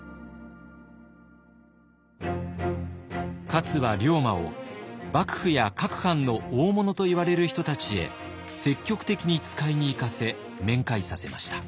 勝は龍馬を幕府や各藩の大物といわれる人たちへ積極的に使いに行かせ面会させました。